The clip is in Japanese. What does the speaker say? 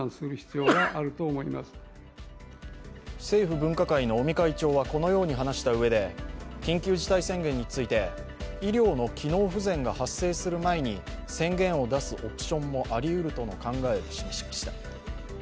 政府分科会の尾身会長はこのように話したうえで緊急事態宣言について、医療の機能不全が発生する前に宣言を出すオプションもありうるとの考えを示しました。